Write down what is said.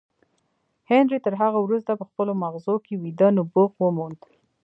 هنري تر هغه وروسته په خپلو ماغزو کې ویده نبوغ وموند